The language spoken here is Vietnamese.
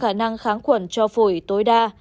khả năng kháng khuẩn cho phổi tối đa